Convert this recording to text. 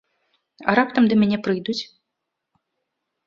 А раптам да мяне прыйдуць?